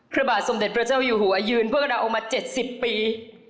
พระบาทสมเด็จพระเจ้าอยู่หัวยืนเพื่อกับเรามา๗๐ปี